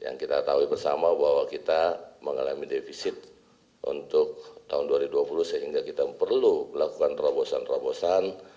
yang kita tahu bersama bahwa kita mengalami defisit untuk tahun dua ribu dua puluh sehingga kita perlu melakukan terobosan terobosan